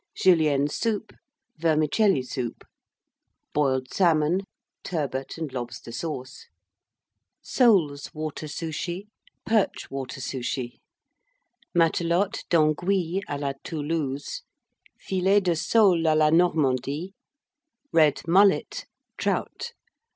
Julienne Soup. Vermicelli Soup. Boiled Salmon. Turbot and Lobster Sauce. Soles Water Souchy. Perch Water Souchy. Matelote d'Anguilles à la Toulouse. Filets de Soles à la Normandie. Red Mullet. Trout.